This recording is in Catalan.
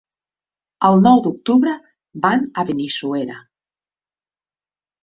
El nou d'octubre van a Benissuera.